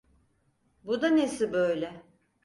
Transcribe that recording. Bu da nesi böyle?